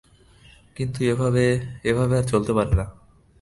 কিন্তু এভাবে, এভাবে আর চলতে পারে না।